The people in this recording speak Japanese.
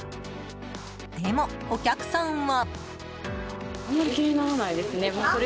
でも、お客さんは。